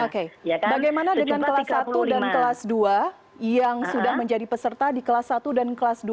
oke bagaimana dengan kelas satu dan kelas dua yang sudah menjadi peserta di kelas satu dan kelas dua